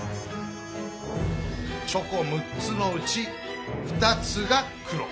チョコ６つのうち２つが黒。